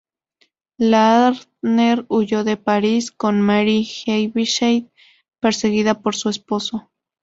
Lardner huyó de París con Mary Heaviside, perseguida por su esposo.